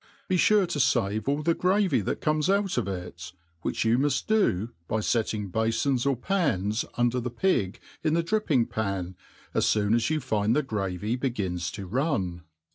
Befure to fave all the gravy'that conies out of it, which you Q|uft do by fetting b^fpns or pans under the pig in the dripping ^pai7« as foon as you find the gravy begins to run.